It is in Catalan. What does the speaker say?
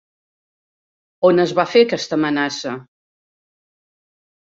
On es va fer aquesta amenaça?